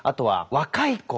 若い子？